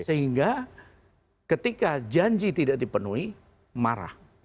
sehingga ketika janji tidak dipenuhi marah